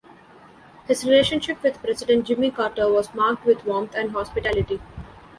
His relationship with President Jimmy Carter was marked with "warmth" and "hospitality.